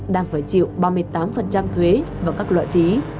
đang phải chịu ba mươi tám thuế và các loại phí